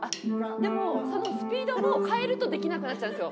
でも、そのスピードも、変えるとできなくなっちゃうんですよ。